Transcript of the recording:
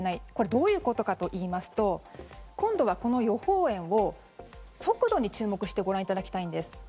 どういうことかといいますと今度は、この予報円を速度に注目してご覧いただきたいんです。